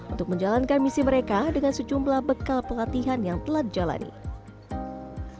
untuk menjalankan misi mereka dengan sejumlah bekal pelatihan yang telah dijalani